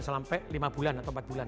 sampai lima bulan atau empat bulan